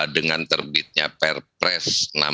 dengan terbitnya perpres